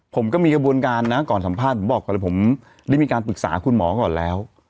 ผมก็มีกระบวนการนะก่อนสัมภาษณ์ผมบอกก่อนเลยผมได้มีการปรึกษาคุณหมอก่อนแล้ว